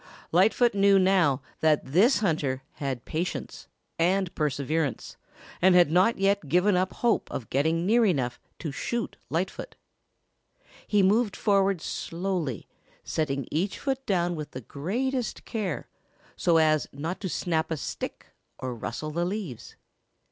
Lightfoot knew now that this hunter had patience and perseverance and had not yet given up hope of getting near enough to shoot Lightfoot. He moved forward slowly, setting each foot down with the greatest care, so as not to snap a stick or rustle the leaves.